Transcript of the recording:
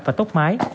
và tốc mái